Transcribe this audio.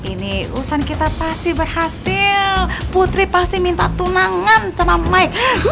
ini urusan kita pasti berhasil putri pasti minta tunangan sama mike